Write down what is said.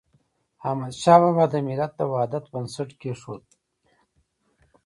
احمدشاه بابا د ملت د وحدت بنسټ کيښود.